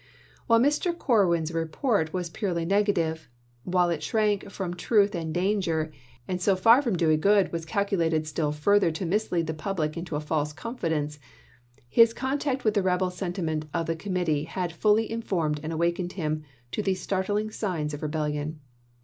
While Mr. Corwin's report was purely negative, while it shrank from truth and danger, and so far from doing good was calculated still further to mislead the public into a false confidence, his con tact with the rebel sentiment in the Committee had fully informed and awakened him to the startling signs of rebellion.